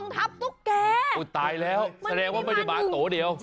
แต่แต่ก็